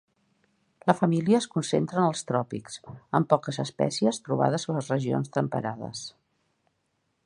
La família es concentra en els tròpics, amb poques espècies trobades a les regions temperades.